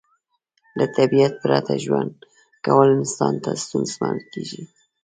له طبیعت پرته ژوند کول انسان ته ستونزمن کیږي